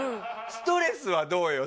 ストレスはどうよ？